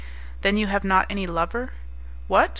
"Then you have not any lover?" "What?